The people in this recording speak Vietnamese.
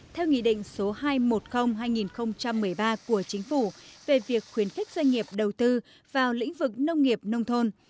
theo nghị định số hai trăm một mươi hai nghìn một mươi ba của chính phủ về việc khuyến khích doanh nghiệp đầu tư vào lĩnh vực nông nghiệp nông thôn